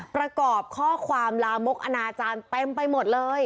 ประกอบข้อความลามกอนาจารย์เต็มไปหมดเลย